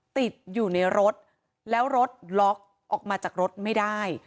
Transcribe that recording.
ติดอยู่ในรถแล้วรถล็อกออกมาจากรถไม่ได้